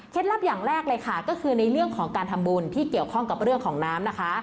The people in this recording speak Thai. ลับอย่างแรกเลยค่ะก็คือในเรื่องของการทำบุญที่เกี่ยวข้องกับเรื่องของน้ำนะคะ